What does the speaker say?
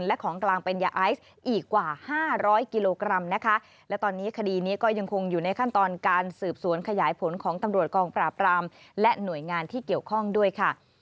และของกลางเป็นยาไอซ์อีกกว่าห้าร้อยกิโลกรัมนะคะและตอนนี้คดีนี้ก็ยังคงอยู่ในขั้นตอนการสืบสวนขยายผลของตำรวจกองปราบรามและหน่วยงานที่เกี่ยวข้องด้วยค่ะ